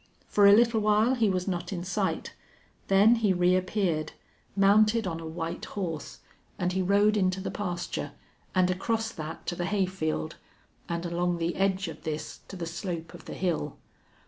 For a little while he was not in sight; then he reappeared, mounted on a white horse, and he rode into the pasture, and across that to the hay field, and along the edge of this to the slope of the hill.